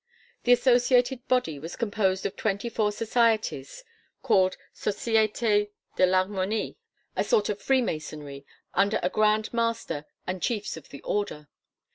The associated body was composed of twenty four societies called "societés de l'harmonie" a sort of Freemasonry, under a Grand Master and Chiefs of the Order.